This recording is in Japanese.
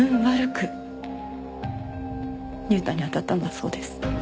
悪く勇太に当たったんだそうです。